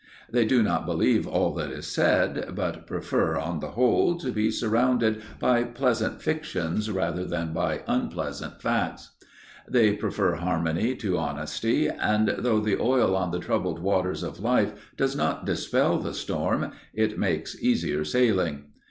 They do not believe all that is said, but prefer, on the whole, to be surrounded by pleasant fictions rather than by unpleasant facts. They prefer harmony to honesty, and, though the oil on the troubled waters of life does not dispel the storm, it makes easier sailing.